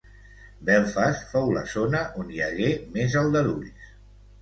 Belfast fou la zona on hi hagué més aldarulls.